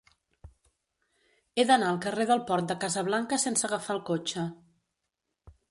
He d'anar al carrer del Port de Casablanca sense agafar el cotxe.